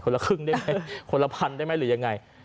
ละครึ่งได้ไหมคนละพันได้ไหมหรือยังไง